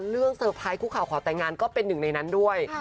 เซอร์ไพรส์คุกข่าวขอแต่งงานก็เป็นหนึ่งในนั้นด้วย